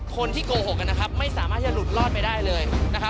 คนที่โกหกไม่สามารถที่จะหลุดรอดไปได้เลย